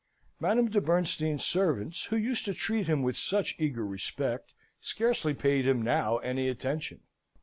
Madame de Bernstein's servants, who used to treat him with such eager respect, scarcely paid him now any attention.